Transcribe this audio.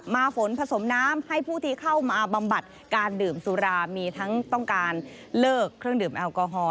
ฝนผสมน้ำให้ผู้ที่เข้ามาบำบัดการดื่มสุรามีทั้งต้องการเลิกเครื่องดื่มแอลกอฮอล